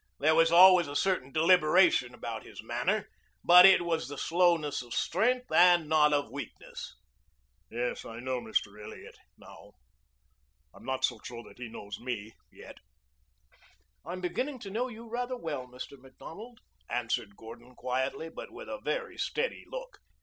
There was always a certain deliberation about his manner, but it was the slowness of strength and not of weakness. "Yes, I know Mr. Elliot now. I'm not so sure that he knows me yet." "I'm beginning to know you rather well, Mr. Macdonald," answered Gordon quietly, but with a very steady look.